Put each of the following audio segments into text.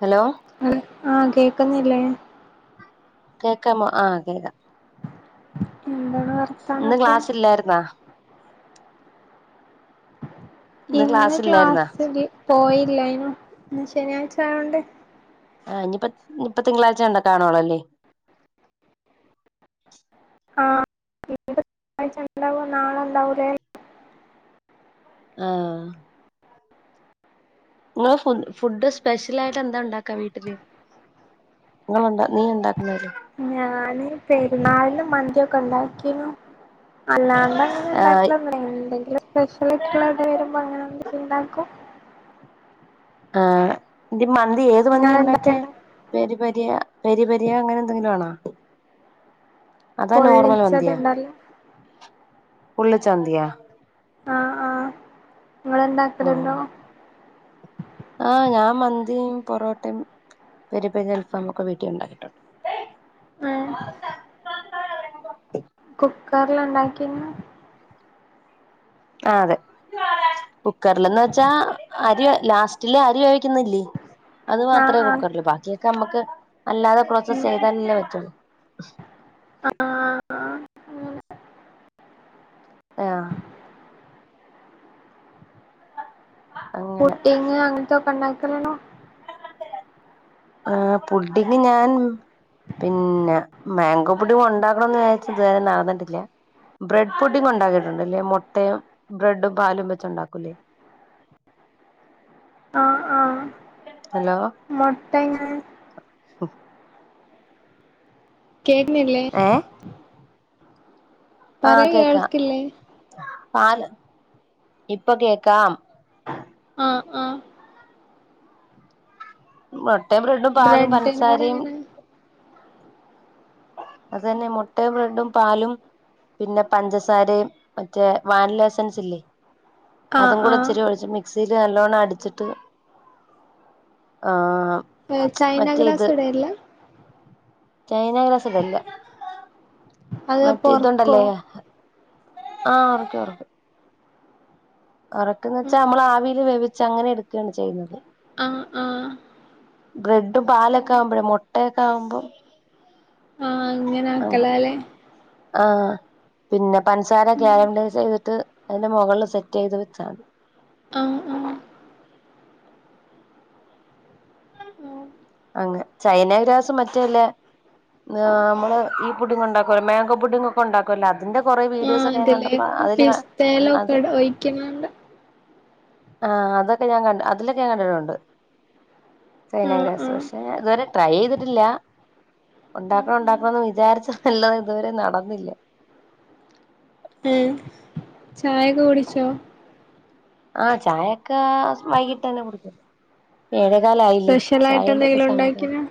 Hello ആ കേൾക്കുന്നില്ലേ? കേൾക്കാമോ ആ കേൾക്കാം എന്താണ് ഇന്ന് വർത്താനൊക്കെ ക്ലാസ്സിലായിരുന്നോ? ഇന്ന് ക്ലാസ് ഇല്ലായിരുന്നാ ക്ലാസ്സിില് പോയില്ലായിനു. ഇന്ന് ശനി ആഴ്ചആയോണ്ട് ആഹ് ഇനി ഇപ്പൊ തിങ്കളാഴ്ച കണ്ട കാണോളല്ലേ ആഹ ഇനി ഇപ്പോ തിങ്കളാഴ്ച ഉണ്ടാവുള്ളു നാളെ ഉണ്ടാവില്ലയിരിക്കും ആഹ നിങ്ങള് ഫുഡ് ഫുഡ്‌ സ്പെഷ്യൽ ആയിട്ട് എന്താ ഉണ്ടാക്കാ വീട്ടില് നിങ്ങള് ഉണ്ടക്ക് നീ ഉണ്ടാകുവോ ഞാൻ പെരുന്നാളിന് മന്തിയൊക്കെ ഉണ്ടാക്കിനു അല്ലാണ്ട് അങ്ങനെ ആഹ് ഉണ്ടാക്കലൊന്നും എന്തെങ്കിലും സ്പെഷ്യലിട്ടുള്ള ഇടടെ വരുമ്പോ അങ്ങനെ ഇണ്ടാക്കും ആഹ മന്തി ഏത് മന്തി ഇങ്ങള് ഉണ്ടാക്കിയ? ഉണ്ടാക്കല്ണ്ടോ പെരി പെരി രി പെരി പെരിയാ അങ്ങനെ എന്തെങ്കിലും ആണോ അതാ പൊള്ളിച്ചതുണ്ടല്ല പുള്ളു ചന്തിയ ആഹ ആഹ ഓ ആഹ ഞാൻ മന്തിയും പൊറോട്ടയും പെരി പെരി അൽഫമ ഒക്കെ വീട്ടിൽ ഉണ്ടാക്കിയിട്ടുണ്ട്. മ്മ്ഹ് കുക്കറില ഉണ്ടാക്കിന്ന ആ അതെ കുക്കറിൽന്ന് വെച്ചാ അരി ലാസ്റ്റില് അരി വേവി ക്കുന്നിലെ അത് ആഹ് മാത്രമേ ആഹ് കുക്കരിൽ ബാക്കിയൊക്കെ നമുക്ക് അല്ലാതെ പ്രോസസ്സ് ചെയ്തല്ലേ പറ്റു [inaudible] ആഹ ആഹാ ആഹ അങ്ങനെ പുട്ടിങ് അങ്ങനത്തോ ഉണ്ടാകണണോ ആ പുഡിങ്ങ് ഞാൻ പിന്നെ മാങ്കോ പുഡിങ് ഉണ്ടാക്കണംന്ന് വിചാരിച് ഇത് വരെ നടന്നിട്ടില്ല. ബ്രെഡ് പുഡിങ് ഉണ്ടാക്കിയിട്ടുണ്ട്ല്ലെ മുട്ടയും ബ്രെഡും പാലും വെച്ച ഉണ്ടാക്കൂല്ലേ രണ്ട് മൊട്ടങ്ങ ഉം കേക്കണില്ലേ ഏ പറയു ഇയാൾക്കില്ലേ? ഇപ്പം കേക്കാം. ആ ആ മ്മ ബ്രഡും പാലും ബ്രെഡിനോട് പഞ്ചസാരയും എങ്ങനെ അത് തന്നെ മുട്ടയും ബ്രഡും പാലും പിന്നെ പഞ്ചസാരയും മറ്റേ വാനില എസൻസ് ഇല്ലേ. അതു ആഹ് കൂടെ ആഹ് ഇച്ചിരി ഒഴിച്ച് മിക്സി ല് നല്ലോണം അടിച്ചിട്ട് ആ ആ ചൈനാഗ്രാസ് ഇടേയില്ല. ചൈനാഗ്രാസ് ഇടില്ല. അത് അപ്പോ ഉറക്കുവോ? ആ ഉറയ്ക്കു ഉറയ്ക്കും. ഉറയ്ക്കു വെന്ന് വെച്ചാൽ ആഹ് നമ്മള് ആവിയില് വേവി ച്ചങ്ങനെയെടുക്കു ആണ് ചെയ്യുന്നത്. ആ ആ ബ്രഡ് പാലെക്കെ ആകുമ്പളേ മൊട്ട ക്കാവുമ്പം ആ അങ്ങനാക്കലല്ലേ ആ പിന്നെ പഞ്ചസാര ക്യാരമലൈസ് ചെയ്തിട്ട് അതിന്റെ മുകളില് സെറ്റ് ചെയ്ത് വെച്ച ആണ്. ആ ആ അങ്ങ് ചൈനാഗ്രാസ് മറ്റേ ഇല്ലേ ആ നമ്മൾ ഈ പുഡിങ്ങ് ഒക്കെ ഒണ്ടാക്കുവല്ലോ മാഗോ പുഡിങ്ങ് ഒക്കെ ഒണ്ടാക്കുമല്ലേ? ആ അതേല്ലേ അത് പിസ്തയിലൊക്കെ ഒഴിക്കുന്നുണ്ട്. ആ അതെക്കെ ഞാൻ കണ്ട് അതില് ഞാൻ കണ്ടിട്ടുണ്ട് ആഹ് ചൈനാഗ്രാസ് ആഹ് പക്ഷേ ഇതുവരെ ട്രൈ ചെയ്തിട്ടില്ല ഒണ്ടാക്കണം ഒണ്ടാക്കണമെന്ന് വിചാരിച്ചതല്ലാതെ ഇതുവരെ നടന്നില്ല. ചായയൊക്കെ കുടിച്ചോ? ആ ചായയൊക്കെ വൈകിട്ടു തന്നെ കുടിക്കും. ഏഴര സ്പെഷ്യലായിട്ട്എന്തെലും ഉണ്ടാക്കിന്നോ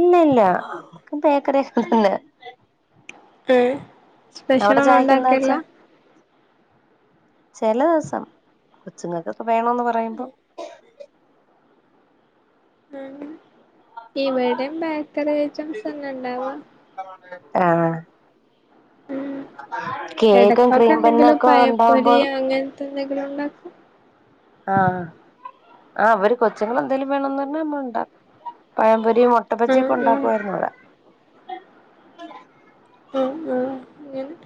ഇല്ല ഇല്ല നമ്മുക്ക് ബേക്കറിയൊക്കെ തന്നെ. ഉം. സ്പെഷ്യൽ അവിടെ ചായക്ക് ഒന്നുമുണ്ടാക്കേല്ല? ചില ദിവസം. കൊച്ചുങ്ങകൊക്കെ വേണേന്ന്പറയുമ്പം ഉം ഇവിടെയും ബേക്കറി ഐറ്റംസ് തന്നെ ഉണ്ടാവുക. ആ കേക്കും എടക്കൊക്കെ ക്രീം ബന്നു ഒക്കെ ഉണ്ടാവുമ്പം തിന്നെങ്കിലൊണ്ടാക്കും ആ ആ അവരു കൊച്ചുങ്ങളെന്തേലും വേണോന്നു പറഞ്ഞ നമ്മളൊണ്ടാക്കും പഴം പൊരി ഈ ആഹ് മൊട്ടബജ്ജിയൊക്കെ ആഹ് ഉണ്ടാക്കുവാരുന്നുവിടെ. [unintelligible] ഉം ഉം ങ്ങനെ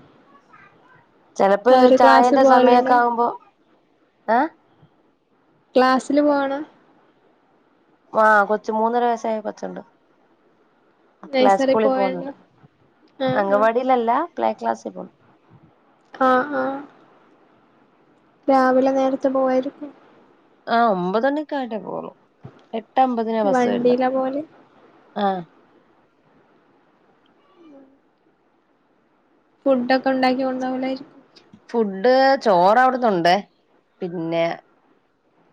ചെലപ്പ് ചായേന്റെ പോവലുണ്ടോ സമായൊക്കെ ആവുമ്പോ. ഏ? ക്ലാസ്സില് പോണ്. ആ കൊച്ച് മൂന്നര വയസ്സായ കൊച്ചൊണ്ട്. പ്ലേ നഴ്സറി സ്കൂളി പോവലുണ്ടോ പൊന്നൊണ്ട്, ആഹ് ആഹ് അംഗൻവാടീലല്ലാ പ്ലേ ക്ലാസ്സിപോണ്. ആ ആ രാവിലേ നേരത്തെബ പോവ്വാരിക്കും. ആ ഒമ്പതുമണിക്കായിട്ടേ പോവ്വൊള്ളൂ. ഏട്ടമ്പതിനാ ബസ് വരുന്നേ, വണ്ടിയിലാ പോവല് ആ. ഫുടൊക്കൊണ്ടാക്കി കൊണ്ടോവൂലാ ഫുഡ്‌ ചോറവിടുന്നൊണ്ടേ, പിന്നേ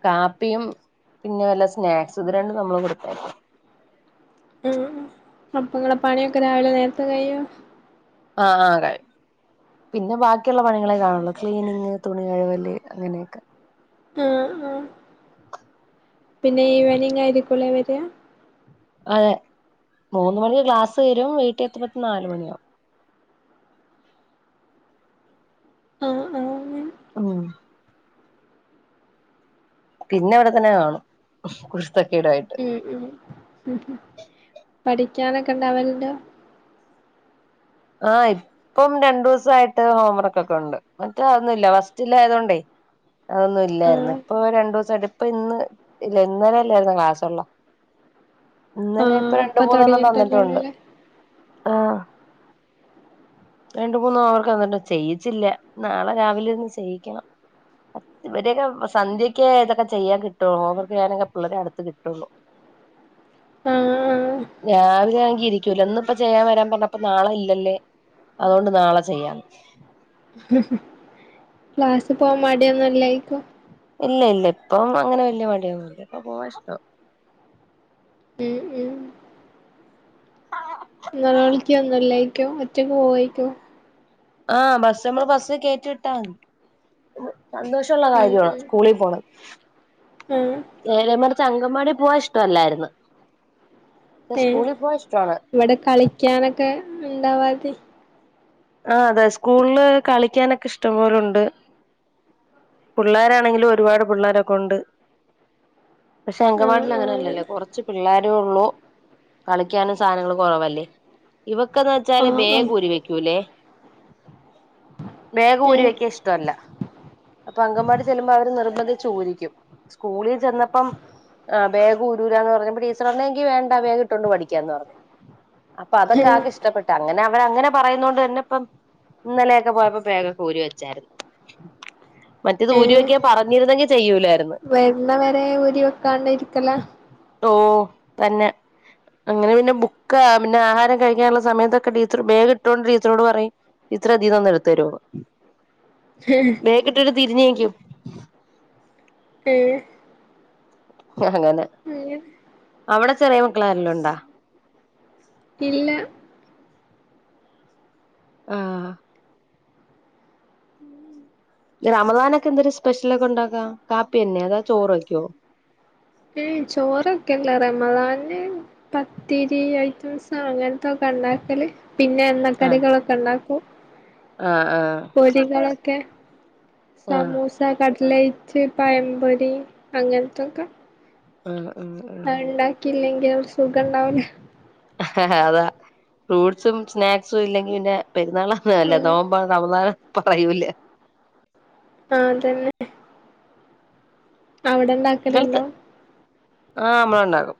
കാപ്പിയും പിന്നെ വല്ലോ സ്‌നാക്സും, ഇത് രണ്ടും നമ്മള് കൊടുക്കണം. ഉം അപ്പങ്ങളെ പണിയൊക്കെ രാവിലേ നേരത്തെ കഴിയ്യോ? ആ ആ കഴിയും പിന്നെ ബാക്കിയൊള്ള പണികളെകാണുള്ളൂ, ക്ലീനിങ് തുണികഴുകല് അങ്ങനെയൊക്കെ. ആ ഉം പിന്നേ ഈവെനിങ്ങാരിക്കുവല്ലേ വര? അതേ മൂന്നുമണിക്കു ക്ലാസ്സ്‌ തീരും. വീട്ടിഎത്തുമ്പക്കു നാല് മണിയാവും. ആ ആ ഉം മ് പിന്നെ ഇവിടെത്തന്നെ കാണും. കുരുത്തക്കേടായിട്ട് ഉം ഉം പഠിക്കാനൊക്കെണ്ടാവലുണ്ടോ? ആ ഇപ്പം രണ്ടുസായിട്ട് ഹോംവർക്കൊക്കെ ഒണ്ട് മറ്റേതാതൊന്നുമില്ല. ഫസ്റ്റിലായതുകൊണ്ടേ അതൊന്നുമില്ലാരുന്നു ആഹ് ഇപ്പം ഒരു രണ്ടുസായിട്ട് ഇപ്പം ഇന്ന് ഇല്ല ഇന്നലെയല്ലാരുന്നോ ക്ലാസ്സൊള്ള ഇന്നലെ ഇപ്പ ആഹ് ഇപ്പൊ രണ്ടുമൂന്നെണ്ണം തന്നിട്ടൊണ്ട്. തുടങ്ങിട്ടല്ലേള്ളൂല്ലേ ആ രണ്ടുമൂന്നു ഹോംവർക്ക് തന്നിണ്ട്, ചെയ്യിച്ചില്ല, നാളെ രാവിലേ ഇരുന്നു ചെയ്യിക്കണം. ഇവരെയൊക്കെ സന്ധ്യക്കേ ഇതൊക്കെ ചെയ്യാൻ കിട്ടുവൊള്ളൂ. ഹോംവർക്ക് ചെയ്യാനൊക്കെ പിള്ളേരെ അടുത്ത് കിട്ടുവൊള്ളു. ആഹ് ആഹ് രാവിലേ ഇരിക്കൂല ന്നിപ്പോ ചെയ്യാൻ വരാൻ പറഞ്ഞപ്പ നാളെ ഈ ദല്ലേ, അതുകൊണ്ട് നാളെ ചെയ്യാന്ന്‌. ക്ലാസ്സിപ്പോകാൻ മടിയൊന്നുമില്ലേയ്ക്കും. ഇല്ലയില്ല ഇപ്പം അങ്ങനെ വല്ല്യ മടിയൊന്നുവില്ല. ഇപ്പം പോകാനിഷ്ടവാ. നോലോളിക്കുവൊന്നുവില്ലേ. യ്കും ഒറ്റക്ക് പോയിക്കോ? ആ ബസുമ്മേ, ബസി കേറ്റിവിട്ട മതി. സന്തോഷള്ള ഉം കാര്യമാ ഉം സ്കൂളി പോണത്. ആഹ് ഏലെമടം ക അഗമാടീ പോവാൻ ഇഷ്ട്ടമല്ലാര്ന്ന് ഏ ഇവടെ കളിക്യനൊക്കെ ണ്ടവാതി ആ അതെ സ്കൂൾള് കളിക്കാനൊക്കെ ഇഷ്ടംപോലുണ്ട്. പുള്ളേരാണെങ്കിലും ഒരു പാട് പിള്ളേരൊക്കെ ഒണ്ട് പക്ഷെ ആഹ് അംഗവാടിയിൽ ആഹ് അങ്ങനെ അങ്ങനല്ലല്ലോ കോർച്ച് പിള്ളേര് രെ ഒള്ളു. കളിക്കാനും സാധനങ്ങൾ കുറവല്ലേ. ഇവക്ക് അത് ചാല് ആഹ് ബേഗ്‌ ആഹ് ഊരി വെക്കൂലേ ബേഗ്‌ ഊരി ഏഹ് വെക്കാൻ ഇഷ്ട്ടല്ല അപ്പോ അംഗൻവാടി ചെല്ലുമ്പോ അവര് നിർബന്ധിച്ഛ് ഊരിക്കും. സ്കൂളിൽ ചെന്നപ്പം ആ ബേഗ്‌ ഊരൂല ന്ന് പറഞ്ഞപ്പോ ടീച്ചറർഞ്ഞു എങ്കിൽ വേണ്ട ബേഗ്‌ ഇട്ടോണ്ട് പഠിക്കാം ന്ന് പറഞ്ഞു അപ്പോ അതൊക്കെ ഏഹ് ആൾക്ക് ഇഷ്ട്ട പെട്ട് അങ്ങനെ അവർ അങ്ങനെ പറയുന്നത് കൊണ്ട്ന്നെ പ്പം ഇന്നലെ ഒക്കെ പോയപ്പോൾ പേന ഒക്കെ ഊരി വച്ചായിരുന്നു മറ്റേത് ഊരി വെക്കാൻ പറ അങ്ങനെ തന്നെ ചെയ്യൂലാ വര്ന്നവരെ ഊരി വെക്കാണ്ടെ ഇരിക്കല ഓ തന്നെ അങ്ങനെ പിന്നെ ബുക്ക് പിന്നെ ആഹാരം കഴിക്കാനുള്ള സമയത്തൊക്കെ ടീച്ചറ് ബാഗ് ഇട്ടോണ്ട് ടീച്ചറോട് പറയും - ടീച്ചറെ അതിന്നോന്ന് എടുത്തു തരുവോന്ന് ബേഗ്‌യിട്ടിട്ട് തിരിഞ്ഞ് നിക്കും [unintelligible] ആ അങ്ങനെ അങ്ങനെ അവിടെ ചെറിയ മക്കളാരെലും ഉണ്ടോ ഇല്ല ആ.. റമതാനൊക്കെ എന്തൊരു സ്പെഷ്യലൊക്കെണ്ടാക്കാ കാപ്പി തന്നെയോ അതോ ചോറ് വെക്കുവോ എയ്‌ ചോറ് വെക്കില്ല റമദാനിന് പത്തിരി ഐറ്റംസ് അങ്ങനെ തോക്കെണ്ടാക്കല് പിന്നെ എണ്ണ ആഹ് കടികളൊക്കെണ്ടാക്കും ആഹ് ആഹ് പൊരികളൊക്കെ- ആഹ് സമൂസ കട് ലൈറ്റ് പഴം പൊരി അങ്ങൻത്തൊക്കെ ആ അത് ഇണ്ടാക്കീല്ലെ ങ്കിൽ ഒരു സുഖെണ്ടാവൂല അതാ. ഫ്രൂട്സും സ്നാക്സും ഇല്ലെങ്കി പിന്നെ പെരുന്നാള ഉം [unintelligible] ആഹ് നോമ്പതു നടന്നാലോ അപ്പ കഴിയൂലെ ആ അതെന്നെ അവിടെണ്ടാക്കലിണ്ടോ? ആ അമ്മള് എണ്ടാക്കും.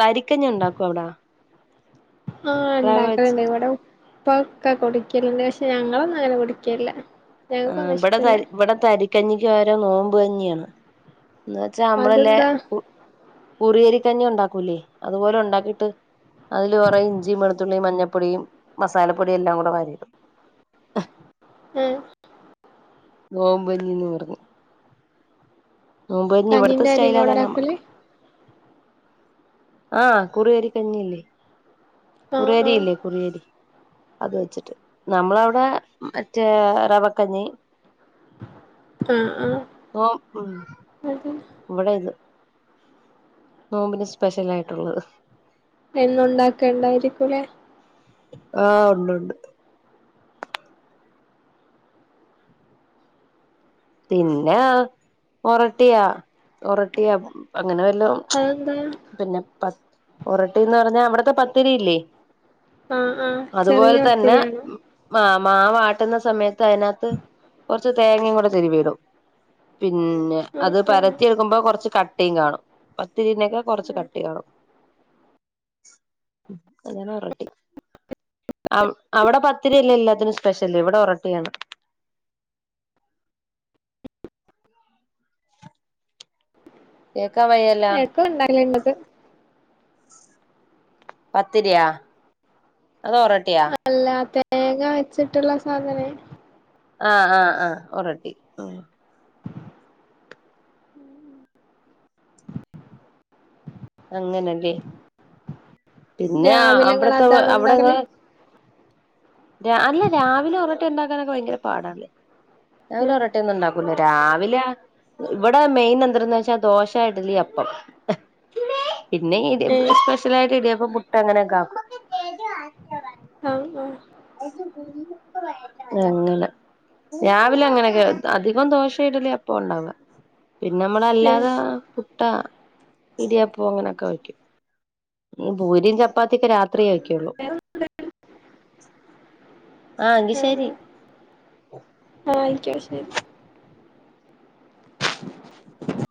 തരിക്കഞ്ഞി ഉണ്ടാക്കോ അവിടാ? ആ റവ വെച്ച് എണ്ടാക്കലിണ്ട്. ഇവിടു പ്പ ഒക്കെ കുടിക്കലിണ്ട്. പക്ഷെ ഞങ്ങളൊന്നും അങ്ങനെ കുടിക്കലില്ല. ആ ഞങ്ങക്കൊന്നും ഇവടെ ഇഷ്ടല്ല തരി ഇവടെ തരിക്കഞ്ഞിക്കു പകരം നോ മ്പു കഞ്ഞിയാണ്. എന്നുവച്ചാ നമ്മളില്ലേ അതെന്താ കു കുറിയരി ക്കഞ്ഞി ഉണ്ടാക്കൂലേ അതുപോലെ ഉണ്ടാക്കിയിട്ട് അതില് കുറയെ ഇഞ്ചിം വെളുത്തുള്ളിം മഞ്ഞപ്പൊടിയും മസാലപ്പൊടിയും എല്ലാം കൂടെ വാരിയിടും. ഏ നോമ്പു കഞ്ഞിന്ന് പറഞ്ഞ് നോമ്പുകഞ്ഞി ഇവിടത്തെ കഞ്ഞിന്റെ അരിനോടാ സ്‌റ്റൈലതാണ് ഉണ്ടാക്കല് ആ കുറിയരിക്കഞ്ഞിയില്ലേ ആഹ് കുറിയരി ആഹ് ഇല്ലേ കുറിയരി അതുവച്ചിട്ട് നമ്മടെ അവടെ മറ്റേ റവക്കഞ്ഞി ആ ആ [unintelligible] ഇവടെ ഇത്. നോമ്പിന് സ്പെഷലായിട്ടുള്ളത്. എന്നുണ്ടാക്കണ്ടായിരിക്കുംല്ലേ ആ ഉണ്ട് ഉണ്ട് പിന്നെ ഒറട്ടിയ ഒറട്ടിയാ അ അങ്ങനെ വെല്ലോം അതെന്താ പിന്നെ പ ഒറട്ടീന്നു പറഞ്ഞാ അവിടെ ത്തെ പത്തിരി ഇല്ലേ ആ ആ ചെറിയ പത്തിരി ആണോ മാ മാവാട്ടുന്ന സമയ ത്ത് അതിനകത്ത് കൊറച്ച് തേങ്ങേം കൂടെ ടെ തിരുമ്മി ഇടും പിന്നെ അത് ആഹ് ആഹ് പരത്തി വയ്ക്കുമ്പോ കൊറച്ച് ക ട്ടീം കാണും. പ ത്തിരിനേക്കാ കൊറച്ച് കട്ടി കാണും അതാണ് ഒറട്ടി അവഅവിടെ പത്തിരി അല്ലേ എല്ലാത്തിനും സ്പെഷ്യൽ ഇവിടെ ഒറട്ടിയാണ് കേക്കാൻ വയ്യല്ല കേൾക്കു ഇണ്ടായില്ല ഇങ്ങക്ക് പത്തിരിയാ അതോ ഒറോട്ടിയ അല്ല തേങ്ങ വച്ചിട്ടുള്ള സാധനം ആഹ് ആഹ് ആഹ് ഒറോട്ടി അങ്ങനല്ലേ പിന്നെ രാവിലെ ഇങ്ങള് അവിടുത്തത് അതാണോ അവിടങ്ങ ഉണ്ടാക്കല് അല്ല രാവിലെ ഒറങ്ങ ഇതിണ്ടാക്കാനൊക്കെ ഭയങ്കര പാടല്ലേ ഞാൻ ആഹ് ഒറോട്ടിയൊന്നും ഉണ്ടാക്കൂല്ല രാവി ല ഇവിടെ മെയിൻ എന്താരെന്ന് വച്ചാൽ ദോശ ഇഡ്ഡലി അപ്പം പിന്നെ ഏഹ് സ്പെഷ്യലായിട്ട് ഇടിയപ്പം മുട്ട അങ്ങനെക്കെ ആക്കും [unintelligible] ഞങ്ങള് രാവിലെ അങ്ങനെക്കെ അധികം ദോശ ഇഡ്ഡലി അപ്പം ഉണ്ടാക്ക പിന്നമ്മൾ ഏഹ് അല്ലാതെ ആ ഇടിയപ്പോ അങ്ങനൊക്കെ വെക്കും പൂരി ചപ്പാത്തി ചപ്പാത്തിക്കെ രാത്രി കഴിക്കുള്ളു ആ എങ്കിൽ ആഹ് ശരി ആഹ് [unintelligible] [inaudible]